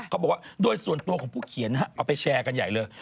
เขาบอกว่าโดยส่วนตัวของผู้เขียนเอาไปแชร์กันใหญ่เลย